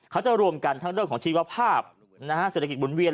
เขาจะรวมกันทั้งเรื่องของชีวภาพเศรษฐกิจหมุนเวียน